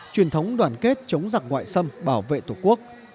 truyền thống đoàn kết chống giặc ngoại xâm bảo vệ tổ quốc